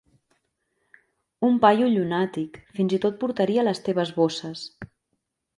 Un paio llunàtic, fins i tot portaria les teves bosses.